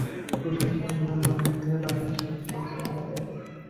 কুসংস্কার মনের রন্ধ্রে রন্ধ্রে শিকড় ছড়িয়ে দেয়।